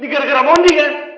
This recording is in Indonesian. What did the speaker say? ini gara gara mondi kan